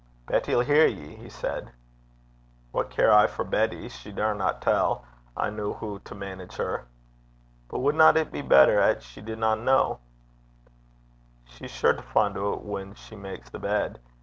'Betty 'll hear ye,' he said. 'What care I for Betty? She daurna tell. I ken hoo to manage her.' 'But wadna 't be better 'at she didna ken?' 'She's sure to fin' oot whan she mak's the bed.